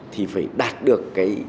thì phải đạt được cái